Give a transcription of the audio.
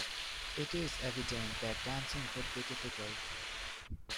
It is evident that dancing would be difficult.